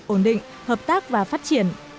ổn định hợp tác và phát triển